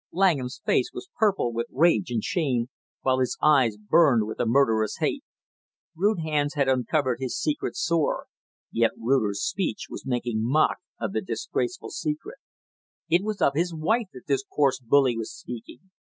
Langham's face was purple with rage and shame, while his eyes burned with a murderous hate. Rude hands had uncovered his hidden sore; yet ruder speech was making mock of the disgraceful secret. It was of his wife that this coarse bully was speaking!